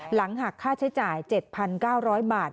หลังหักค่าใช้จ่าย๗๙๐๐บาท